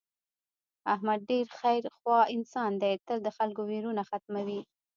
احمد ډېر خیر خوا انسان دی تل د خلکو ویرونه ختموي.